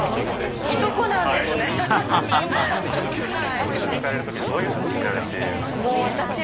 寒いとこ行かれる時どういう服を着られているんですか？